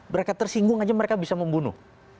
mereka tersinggung aja mereka bisa membunuh